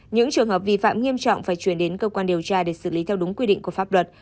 những trường hợp vi phạm nghiêm trọng phải chuyển đến cơ quan điều tra để xử lý theo đúng quy định của pháp luật